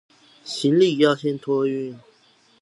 行李要先托運